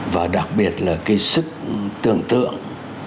và đặc biệt là cái sức tưởng tượng